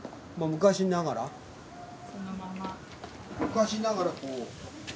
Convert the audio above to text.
昔ながらこう。